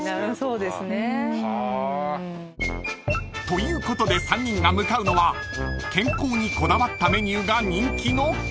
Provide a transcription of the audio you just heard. ［ということで３人が向かうのは健康にこだわったメニューが人気のカフェ］